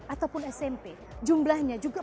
ataupun smp jumlahnya juga